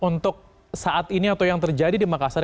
untuk saat ini atau yang terjadi di makassar